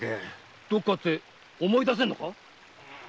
どこかって思い出せんのか？